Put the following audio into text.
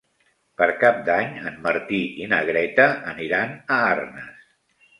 Per Cap d'Any en Martí i na Greta aniran a Arnes.